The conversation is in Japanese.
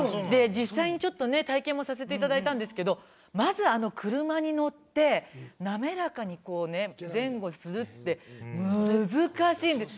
実際に、ちょっと体験もさせていただいたんですけどまず車に乗って滑らかに前後するって難しい。